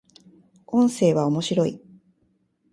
音声は、面白い